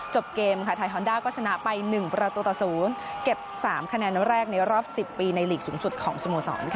จบเกมค่ะไทยฮอนดาก็ชนะไป๑บริษย์ประสูรเก็บ๓คะแนนแรกในรอบ๑๐ปีในฮถงรวมลีกสูงสุดของสโมสรค่ะ